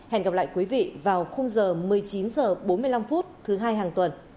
hẹn gặp lại quý vị vào khung giờ một mươi chín h bốn mươi năm thứ hai hàng tuần